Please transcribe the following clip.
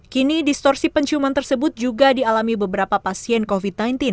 kini distorsi penciuman tersebut juga dialami beberapa pasien covid sembilan belas